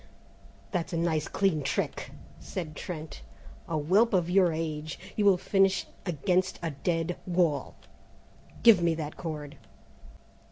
"That's a nice clean trick," said Trent; "a whelp of your age! You'll finish against a dead wall! Give me that cord!"